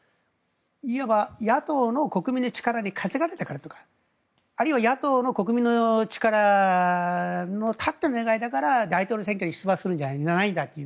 いわば、野党の国民の力に担がれたからとかあるいは野党の国民の力のたっての願いだから大統領選に出馬するんじゃないんだという。